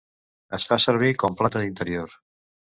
Es fa servir com planta d'interior.